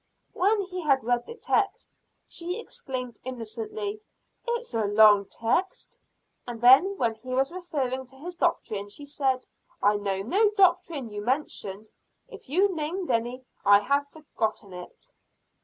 When he had read the text, she exclaimed insolently, "It's a long text." And then when he was referring to his doctrine, she said: "I know no doctrine you mentioned. If you named any, I have forgotten it."